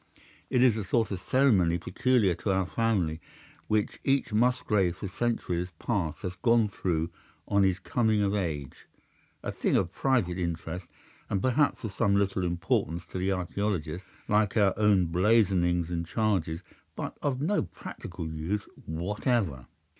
It is a sort of ceremony peculiar to our family, which each Musgrave for centuries past has gone through on his coming of age—a thing of private interest, and perhaps of some little importance to the archaeologist, like our own blazonings and charges, but of no practical use whatever.